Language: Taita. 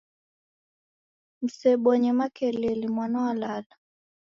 Msebonye makelele, mwana walala.